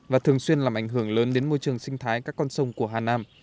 và thường xuyên làm ảnh hưởng lớn đến môi trường sinh thái các con sông của hà nam